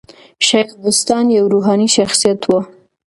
شېخ بُستان یو روحاني شخصیت وو.